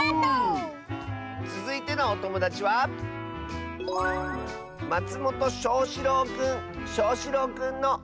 つづいてのおともだちはしょうしろうくんの。